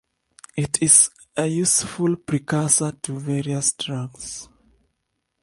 It is a useful precursor to various drugs.